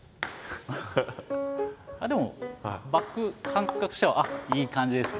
あっでもバック感覚としてはあっいい感じです。